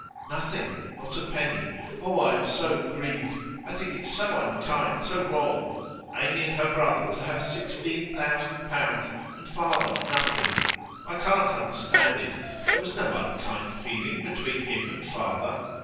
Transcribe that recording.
'Nothing. Not a penny. Oh I am so grieved! I think it so unkind, so wrong. Amy and her brother to have sixteen thousand pounds and father nothing! I can't understand it. There was no unkind feeling between him and father.